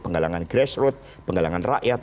penggalangan grassroot penggalangan rakyat